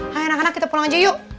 hai anak anak kita pulang aja yuk